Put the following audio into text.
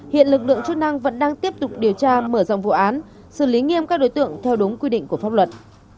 hiện lực lượng chức năng vẫn đang tiếp tục điều tra mở rộng vụ án xử lý nghiêm các đối tượng theo đúng quy định của pháp luật